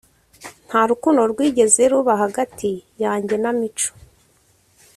nta rukundo rwigeze ruba hagati yanjye na Mico